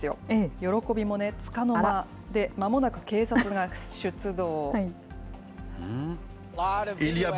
喜びもつかの間で、まもなく警察が出動。